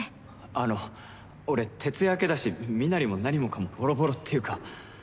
あの俺徹夜明けだし身なりも何もかもぼろぼろっていうか。